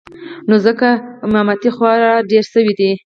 نو ځکه امامتې خورا ډېرې سوې وې.